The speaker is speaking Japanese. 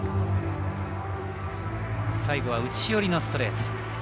最後は内寄りのストレート。